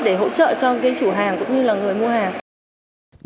để hỗ trợ cho chủ hàng cũng như người mua hàng